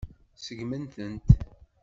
Seggmen-tent.